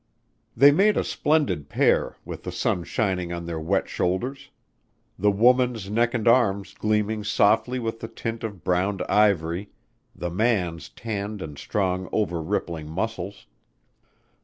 They made a splendid pair with the sun shining on their wet shoulders; the woman's neck and arms gleaming softly with the tint of browned ivory; the man's tanned and strong over rippling muscles.